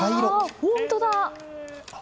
本当だ。